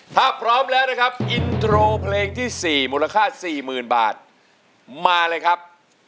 ถ้าพร้อมแล้วนะครับอินโทรเพลงที่๔มูลค่า๔๐๐๐บาทมาเลยครับ